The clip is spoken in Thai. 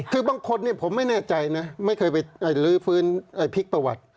คือบางคนผมไม่แน่ใจนะไม่เคยไปลื้อฟื้นพลิกประวัติ